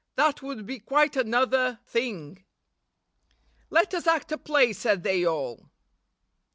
That would be quite another thing.' 'Let us act a play,' said they all.